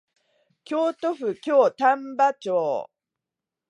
京都府京丹波町